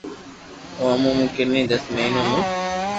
او مون ڪني دس مھينون مون